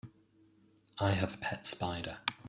I have a pet spider.